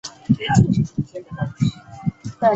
从此瑞典不再有能力与俄国争霸。